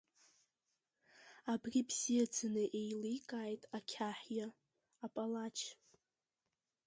Абри бзиаӡаны еиликааит ақьаҳиа, апалач.